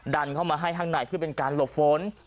ดันเข้ามาให้ข้างในเพื่อเป็นการหลบฝน